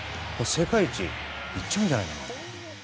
世界一、いっちゃうんじゃない？